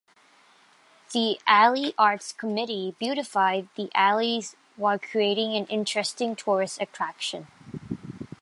The Alley Arts Committee beautified the alleys while creating an interesting tourist attraction.